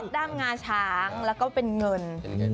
ด้ำงาช้างจะเป็นเงิน